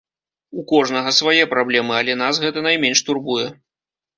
У кожнага свае праблемы, але нас гэта найменш турбуе.